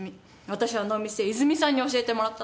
私あのお店泉さんに教えてもらったの。